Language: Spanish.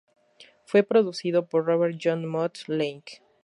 Fue producido por Robert John "Mutt" Lange.